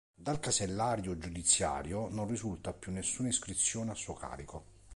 Dal casellario giudiziario non risulta più nessuna iscrizione a suo carico.